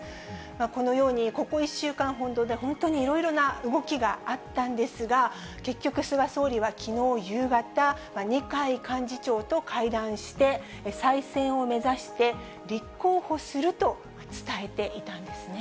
このようにここ１週間ほどで、本当にいろいろな動きがあったんですが、結局、菅総理はきのう夕方、二階幹事長と会談して、再選を目指して立候補すると伝えていたんですね。